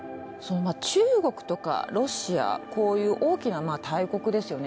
中国とかロシアこういう大きな大国ですよね。